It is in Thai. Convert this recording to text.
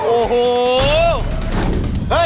โอ้โห